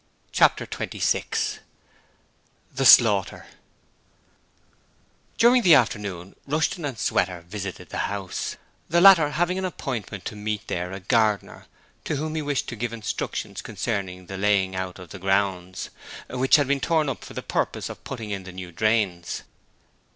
Chapter 26 The Slaughter During the afternoon, Rushton and Sweater visited the house, the latter having an appointment to meet there a gardener to whom he wished to give instructions concerning the laying out of the grounds, which had been torn up for the purpose of putting in the new drains.